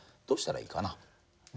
どうしたらいいかな？